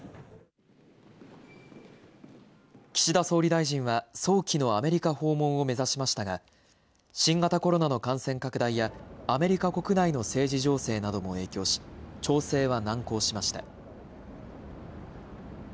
岸田総理大臣は早期のアメリカ訪問を目指しましたが、新型コロナの感染拡大や、アメリカ国内の政治情勢なども影響し、調整は難航しました。